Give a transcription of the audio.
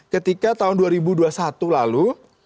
ketika tahun dua ribu dua puluh satu lalu